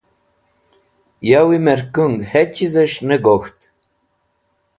Yawi merkung hechizẽs̃h ne gokeht.